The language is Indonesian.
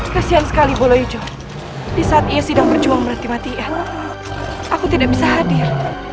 kesian sekali bolo hijau di saat ia sedang berjuang meratim hati ia aku tidak bisa hadir